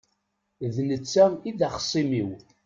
D netta i d axṣim-iw.